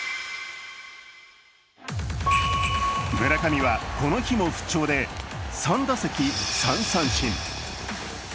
村上は、この日も不調で３打席３三振。